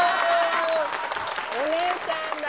お姉ちゃんだ！